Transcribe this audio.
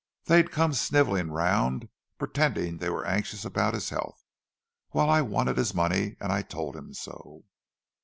They'd come snivelling round, pretending they were anxious about his health; while I wanted his money, and I told him so."